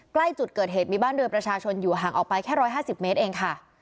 ใกล้จุดเกิดเหตุมีบ้านเรือประชาชนอยู่ห่างออกไปแค่๑๕๐เมตรเองค่ะ